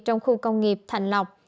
trong khu công nghiệp thạnh lộc